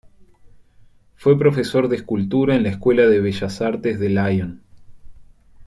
Fue profesor de escultura en la Escuela de Bellas Artes de Lyon.